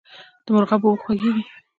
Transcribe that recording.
د مرغاب اوبه خوږې دي